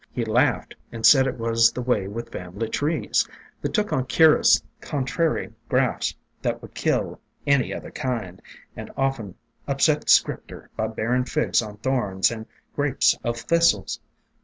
He laughed and said it was the way with fam'ly trees, — they took on cur'ous con trary grafts that would kill any other kind, and often upset Scripter by bearin' Figs on Thorns and 300 THE DRAPERY OF VINES w/ Grapes of Thistles.